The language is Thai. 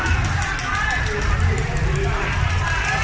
อันนี้ก็มันถูกประโยชน์ก่อน